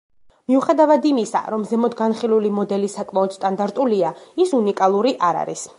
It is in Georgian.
მიუხედავად იმისა, რომ ზემოთ განხილული მოდელი საკმაოდ სტანდარტულია, ის უნიკალური არ არის.